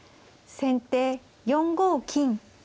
先手４五金。